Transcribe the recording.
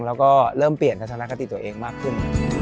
แล้วก็เริ่มเปลี่ยนทัศนคติตัวเองมากขึ้น